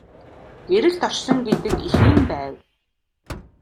Гэрэлт орчлон гэдэг эх минь байв.